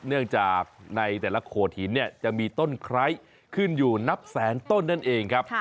เนื่องจากในแต่ละโขดหินเนี่ยจะมีต้นไคร้ขึ้นอยู่นับแสนต้นนั่นเองครับ